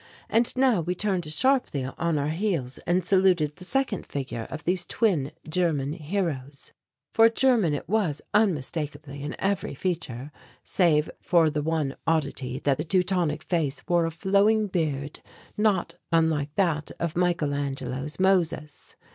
And now we turned sharply on our heels and saluted the second figure of these twin German heroes. For German it was unmistakably in every feature, save for the one oddity that the Teutonic face wore a flowing beard not unlike that of Michael Angelo's Moses.